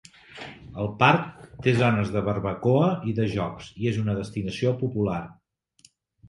El parc té zones de barbacoa i de jocs, i és una destinació popular.